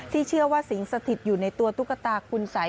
เชื่อว่าสิงสถิตอยู่ในตัวตุ๊กตาคุณสัย